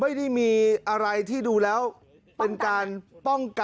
ไม่ได้มีอะไรที่ดูแล้วเป็นการป้องกัน